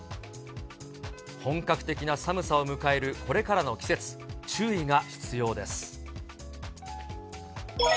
本格的な寒さを迎えるこれからの季節、注意が必要です。